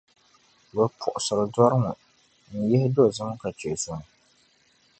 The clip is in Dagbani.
Bɛ puɣisiri dɔri ŋɔ n-yihi dozim ka chɛ zuni.